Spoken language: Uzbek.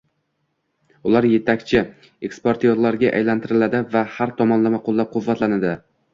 ular yetakchi eksportyorlarga aylantiriladi va har tomonlama qo‘llab-quvvatlanadi.